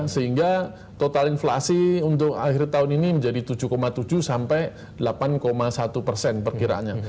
sehingga total inflasi untuk akhir tahun ini menjadi tujuh tujuh sampai delapan satu persen perkiranya